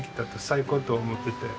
最高と思ってて。